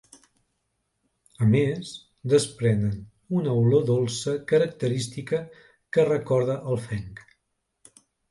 A més, desprenen una olor dolça característica que recorda el fenc.